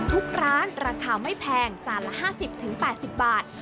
ทุกร้านราคาไม่แพงจานละ๕๐๘๐บาท